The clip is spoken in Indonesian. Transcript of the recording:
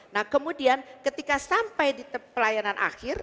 nah kemudian ketika sampai di pelayanan akhir